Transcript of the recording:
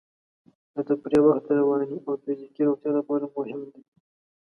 د تفریح وخت د رواني او فزیکي روغتیا لپاره مهم دی.